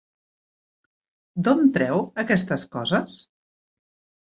D'on treu aquestes coses?